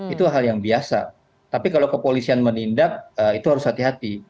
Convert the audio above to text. itu hal yang biasa tapi kalau kepolisian menindak itu harus hati hati